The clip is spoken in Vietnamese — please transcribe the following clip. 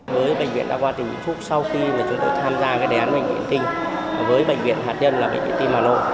với bệnh viện đa hoa tình phúc sau khi chúng tôi tham gia đề án bệnh viện tỉnh với bệnh viện hạt điên là bệnh viện tim mà lộ